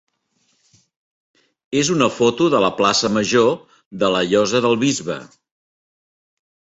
és una foto de la plaça major de la Llosa del Bisbe.